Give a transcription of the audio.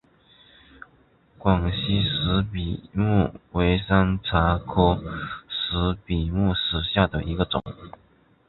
广西石笔木为山茶科石笔木属下的一个种。